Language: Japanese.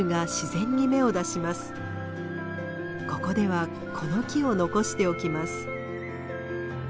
ここではこの木を残しておきます。